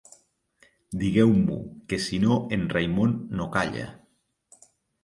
Diguem-ho, que si no en Raimon no calla.